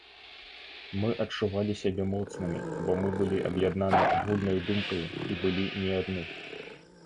Мы адчувалі сябе моцнымі, бо мы былі аб'яднаны агульнаю думкаю і былі не адны.